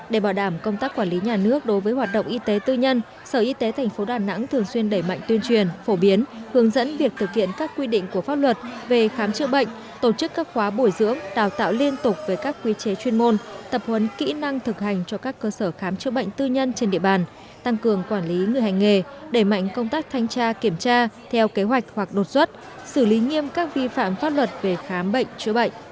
để có thể bảo đảm công tác quản lý nhà nước đối với hoạt động y tế tư nhân sở y tế thành phố đà nẵng thường xuyên đẩy mạnh tuyên truyền phổ biến hướng dẫn việc thực hiện các quy định của pháp luật về khám chữa bệnh tổ chức các khóa bồi dưỡng đào tạo liên tục với các quy chế chuyên môn tập huấn kỹ năng thực hành cho các cơ sở khám chữa bệnh tư nhân trên địa bàn tăng cường quản lý người hành nghề đẩy mạnh công tác thanh tra kiểm tra theo kế hoạch hoặc đột xuất xử lý nghiêm các vi phạm pháp luật về khám bệnh